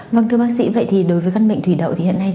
vâng thưa bác sĩ vậy thì đối với gân mệnh thủy đậu thì hiện nay